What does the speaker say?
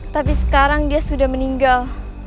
tapi sekarang dia sudah meninggal